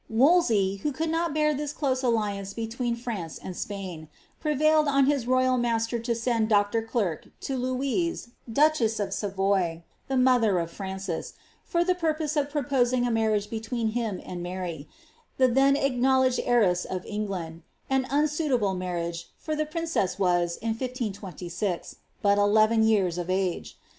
Wolsey, who could not bear this close alliance between Fmei and Sj)ain, prevailed on his royal master to send Dr. Gierke to Loniie, duchess ojf Savoy, the mother of Francis, for the purpose of propoanr a marriage between him and Mary,' the then acknowledged heims oi England — an unsuitable marriage, for the princess was, in 1536. bat eleven years of age.